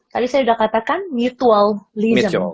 tadi saya sudah katakan mutualism